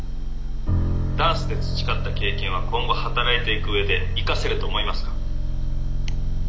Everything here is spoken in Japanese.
「ダンスで培った経験は今後働いていく上で生かせると思いますか？」。